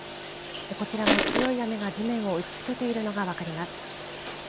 こちらも強い雨が地面を打ちつけているのが分かります。